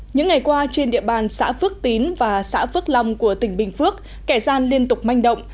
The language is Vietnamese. những ngày qua trên địa bàn xã phước tín và xã phước long của tỉnh bình phước kẻ gian liên tục manh động